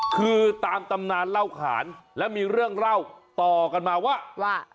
คือตามตำนานเล่าขานและมีเรื่องเล่าต่อกันมาว่าว่า